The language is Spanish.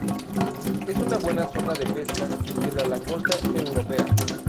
Es una buena zona de pesca de la langosta europea.